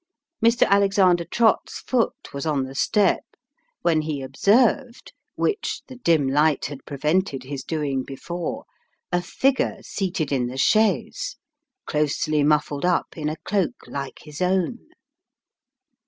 Mr. Alexander Trott's foot was on the step, when he observed (which the dim light had prevented his doing before) a figure seated in the chaise, closely muffled up in a cloak like his own.